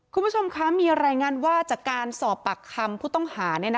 คุณผู้ชมคะมีรายงานว่าจากการสอบปากคำผู้ต้องหา